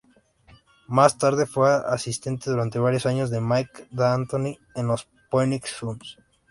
Más tarde fue asistente durante varios años de Mike D'Antoni en los Phoenix Suns.